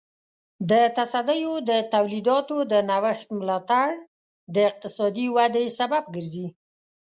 د تصدیو د تولیداتو د نوښت ملاتړ د اقتصادي ودې سبب ګرځي.